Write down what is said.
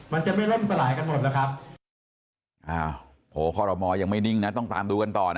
มันจะไม่เริ่มสลายกันหมดนะครับ